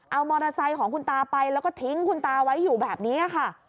เอามอเตอร์ไซค์ของคุณตาไปแล้วก็ทิ้งคุณตาไว้อยู่แบบนี้ค่ะ